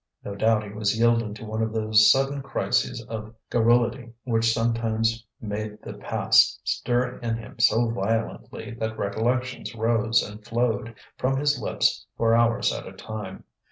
No doubt he was yielding to one of those sudden crises of garrulity which sometimes made the past stir in him so violently that recollections rose and flowed from his lips for hours at a time.